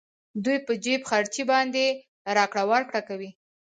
دوی په جېب خرچې باندې راکړه ورکړه کوي